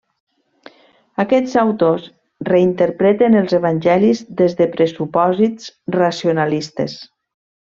Aquests autors reinterpreten els Evangelis des de pressupòsits racionalistes.